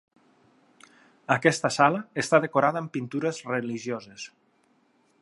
Aquesta sala està decorada amb pintures religioses.